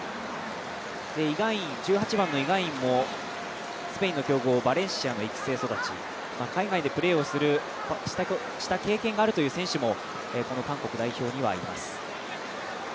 １８番のイ・ガンインもスペインのバレンシアの育成育ち、海外でプレーをした経験がある選手も韓国代表にはいます。